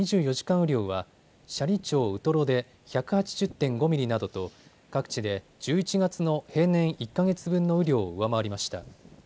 雨量は斜里町ウトロで１８０．５ミリなどと各地で１１月の平年１か月分の雨量を上回りました。